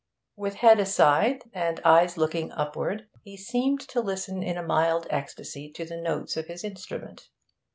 With head aside, and eyes looking upward, he seemed to listen in a mild ecstasy to the notes of his instrument.